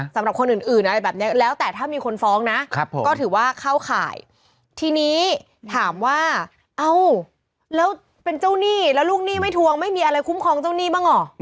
สำหรับคนอื่นอะไรแบบนี้แล้วแต่ถ้ามีคนฟ้องนะก็ถือว่าเข้าข่ายทีนี้ถามว่าเอ้าแล้วเป็นเจ้าหนี้แล้วลูกหนี้ไม่ทวงไม่มีอะไรคุ้มครองเจ้าหนี้บ้างเหรอ